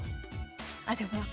あでもな